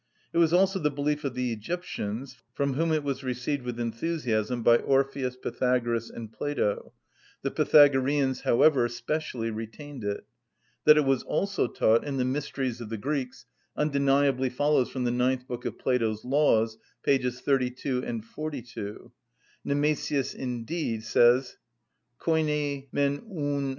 It was also the belief of the Egyptians (Herod., ii. 123), from whom it was received with enthusiasm by Orpheus. Pythagoras, and Plato: the Pythagoreans, however, specially retained it. That it was also taught in the mysteries of the Greeks undeniably follows from the ninth book of Plato's "Laws" (pp. 38 and 42, ed. Bip.) Nemesius indeed (De nat. hom., c.